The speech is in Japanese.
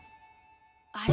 あれ？